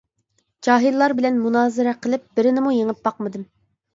جاھىللار بىلەن مۇنازىرە قىلىپ بىرىنىمۇ يېڭىپ باقمىدىم.